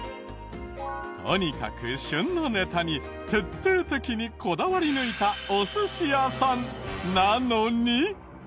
とにかく旬のネタに徹底的にこだわり抜いたお寿司屋さんなのに。